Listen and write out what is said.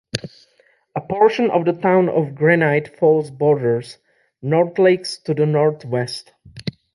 A portion of the town of Granite Falls borders Northlakes to the northwest.